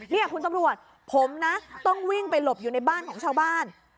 นี่คุณตำรวจผมนะต้องวิ่งไปหลบอยู่ในบ้านของชาวบ้าน